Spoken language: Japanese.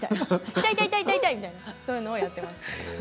痛い？みたいなそういうのやっています。